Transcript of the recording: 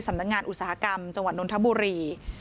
สำนักงานอุตสาหกรรมจังหวัดนทบุรี